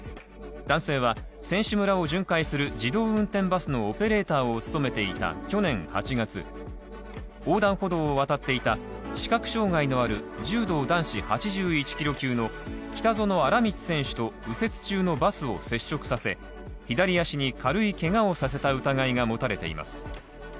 男性は、選手村を巡回する自動運転バスのオペレーターを務めていた去年８月横断歩道を渡っていた視覚障害のある柔道男子８１キロ級と北薗新光選手と、右折中のバスを接触させ、左足に軽いけがをさせた疑いが持たれています。